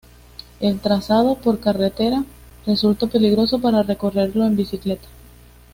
El trazado por carretera resulta peligroso para recorrerlo en bicicleta.